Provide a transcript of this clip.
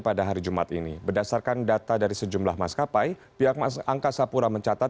pada hari jumat ini berdasarkan data dari sejumlah maskapai pihak angkasa pura mencatat